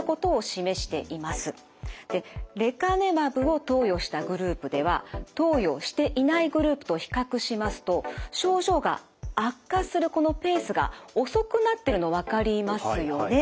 でレカネマブを投与したグループでは投与していないグループと比較しますと症状が悪化するこのペースが遅くなってるの分かりますよね。